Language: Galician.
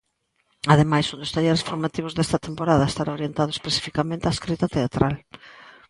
Ademais, un dos talleres formativos desta temporada estará orientado especificamente á escrita teatral.